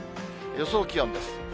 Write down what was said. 予想気温です。